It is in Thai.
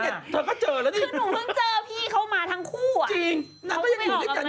คือหนูเพิ่งเจอพี่เขามาทั้งคู่อะ